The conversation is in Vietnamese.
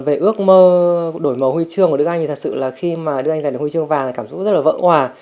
về ước mơ đổi màu huy chương của đức anh thì thật sự là khi mà đức anh giải được huy chương vàng là cảm xúc rất là vỡ hoà